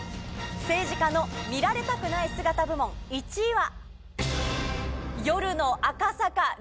政治家の見られたくない姿部門１位は。